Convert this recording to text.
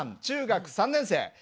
中学３年生。